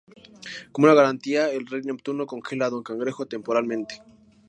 Como una garantía, el rey Neptuno congela a don Cangrejo temporalmente.